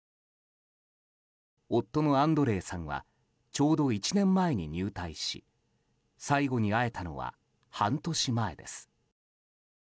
夫のアンドレイさんはちょうど１年前に入隊し最後に会えたのは半年前です。